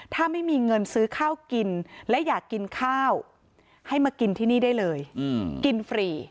ถ้าไม่มีเงินซื้อข้าวกินและอยากกินข้าวให้มากินที่นี่ได้เลยกินฟรี